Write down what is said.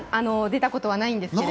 出たことはないんです。